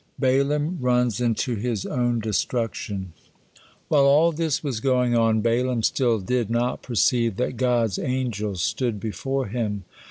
BALAAM RUNS INTO HIS OWN DESTRUCTION While all this was going on, Balaam still did not perceive that God's angel stood before him.